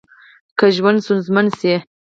که ژوند ستونزمن شي